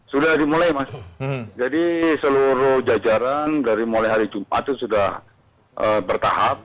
sudah dimulai mas jadi seluruh jajaran dari mulai hari jumat itu sudah bertahap